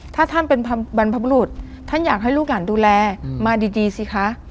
ถ้าท่านเป็นบรรพบุรุษท่านอยากให้ลูกหลานดูแลมาดีสิคะ